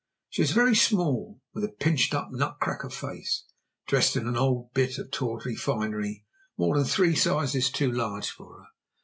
She was very small, with a pinched up nut cracker face, dressed in an old bit of tawdry finery, more than three sizes too large for her.